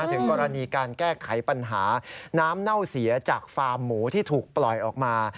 ถึงกรณีการแก้ไขปัญหาน้ำเน่าเสียจากฟาร์มหมูที่ถูกปล่อยออกมา